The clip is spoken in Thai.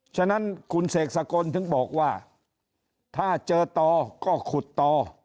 ฉะนั้นคุณเสกสกลถึงบอกว่าถ้าเจอต่อก็ขุดต่อ